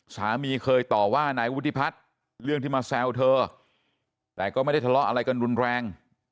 เราแหวงทุกวัน